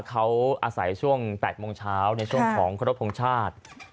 เขาอาศัยช่วง๘โมงเช้าในช่วงของครบทรงชาติ